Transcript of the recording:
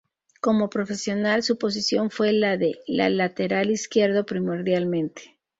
Como profesional, su posición fue la de la lateral izquierdo primordialmente.